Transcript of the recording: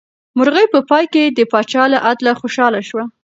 مرغۍ په پای کې د پاچا له عدله خوشحاله شوه.